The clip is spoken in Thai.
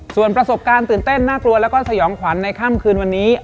ส่วนประสบการณ์ตื่นเต้นน่ากลัวแล้วก็สยองขวัญในค่ำคืนวันนี้